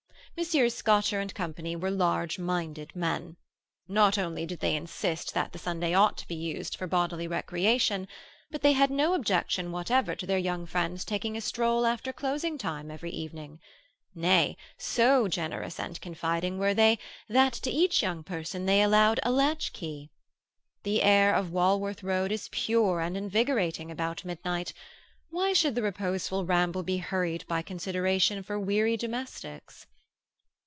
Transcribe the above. Messrs. Scotcher and Co. were large minded men. Not only did they insist that the Sunday ought to be used for bodily recreation, but they had no objection whatever to their young friends taking a stroll after closing time each evening. Nay, so generous and confiding were they, that to each young person they allowed a latchkey. The air of Walworth Road is pure and invigorating about midnight; why should the reposeful ramble be hurried by consideration for weary domestics?